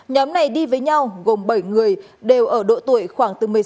nhóm này đi với nhau gồm bảy người đều ở độ tuổi khoảng bốn mươi sáu